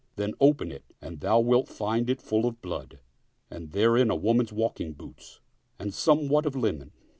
Then open it and thou wilt find it full of blood, and therein a woman's walking boots and somewhat of linen."